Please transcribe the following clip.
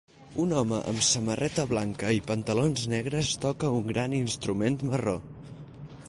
Un home amb samarreta blanca i pantalons negres toca un gran instrument marró.